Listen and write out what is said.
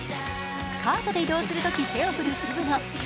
カートで移動するとき手を振る渋野。